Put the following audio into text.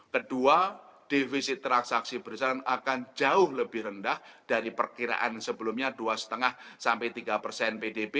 kedua defisit transaksi berjalan akan jauh lebih rendah dari perkiraan sebelumnya dua lima sampai tiga persen pdb